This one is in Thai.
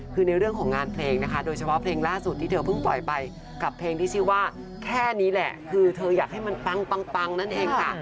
คือในเรื่องของงานเพลงนะคะโดยเฉพาะเพลงล่าสุดที่เธอเพิ่งปล่อยไปกับเพลงที่ชื่อว่าแค่นี้แหละคือเธออยากให้มันปังปังนั่นเองค่ะ